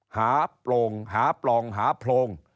หาโปร่งหาปลองหาโปร่ง